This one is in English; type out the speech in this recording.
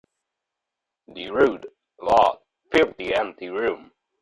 The rude laugh filled the empty room.